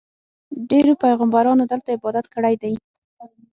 ډېرو پیغمبرانو دلته عبادت کړی دی.